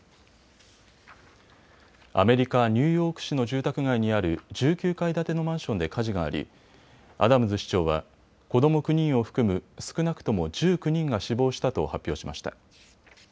アメリカ・ニューヨーク市の住宅街にある１９階建てのマンションで火事がありアダムズ市長は子ども９人を含む少なくとも１９人が死亡したと発表しました。